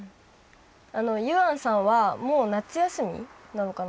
ゆあんさんはもう夏休みなのかな？